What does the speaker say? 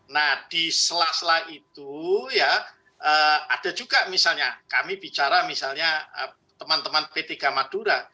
nah di sela sela itu ya ada juga misalnya kami bicara misalnya teman teman p tiga madura